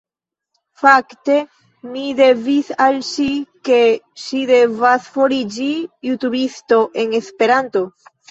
Fakte, mi diris al ŝi, ke ŝi devas fariĝi jutubisto en Esperanto